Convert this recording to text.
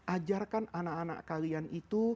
ajarkan anak anak kalian itu